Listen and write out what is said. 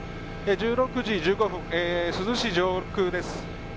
１６時１５分、珠洲市上空です。